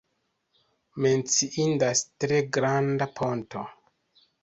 Menciindas tre granda ponto.